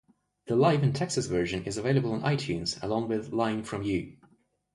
The Live in Texas version is available on iTunes, along with Lying from You.